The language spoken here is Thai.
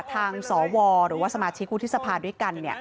สวหรือว่าสมาชิกวุฒิสภาด้วยกัน